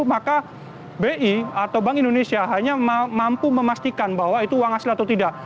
maka bi atau bank indonesia hanya mampu memastikan bahwa itu uang asli atau tidak